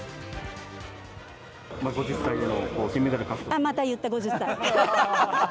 あっ、また言った、５０歳！